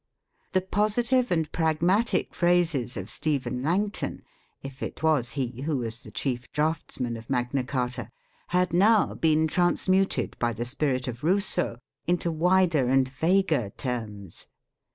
The positive and prag matic phrases of Stephen Langton if it was he who was the chief draftsman of Magna Carta had now been transmuted by the spirit of Rousseau into wider and vaguer terms.